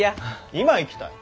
今行きたい。